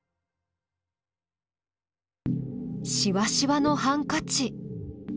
しわしわのハンカチ。